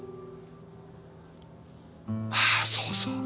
ああそうそう。